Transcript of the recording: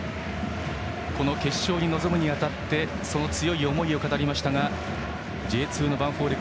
この決勝に臨むに当たりその強い思いを語りましたがＪ２のヴァンフォーレ